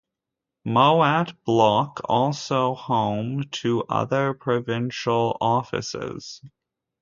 Mowat Block also home to other provincial offices.